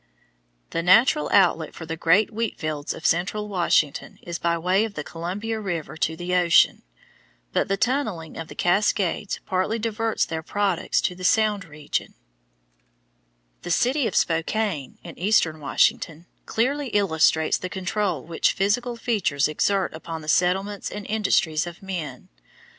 The natural outlet for the great wheat fields of central Washington is by way of the Columbia River to the ocean, but the tunnelling of the Cascades partly diverts their products to the sound region. [Illustration: FIG. 119. FALLS OF SPOKANE RIVER Location of the city of Spokane] The city of Spokane, in eastern Washington, clearly illustrates the control which physical features exert upon the settlements and industries of men.